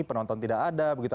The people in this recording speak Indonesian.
penonton tidak ada begitu